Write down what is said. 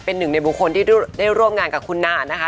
เป็นหนึ่งในบุคคลที่ได้ร่วมงานกับคุณนานนะคะ